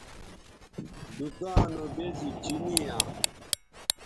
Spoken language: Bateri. دکاں نو بیزی چینی یاں